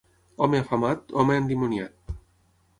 Home afamat, home endimoniat.